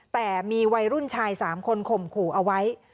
แต่มีวัยรุ่นชาย๓คนข่มขู่เอาไว้